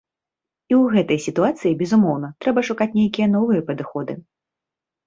І ў гэтай сітуацыі, безумоўна, трэба шукаць нейкія новыя падыходы.